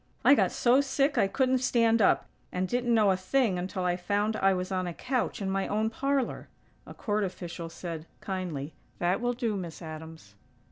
I got so sick I couldn't stand up, and didn't know a thing until I found I was on a couch in my own parlor." A court official said, kindly: "That will do, Miss Adams."